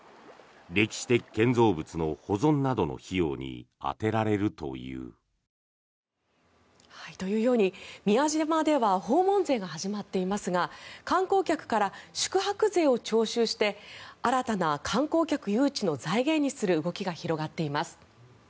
歴史的建造物の保存などの費用に充てられるという。というように宮島では訪問税が始まっていますが観光客から宿泊税を徴収して新たな観光客誘致の財源にする動きが始まっています。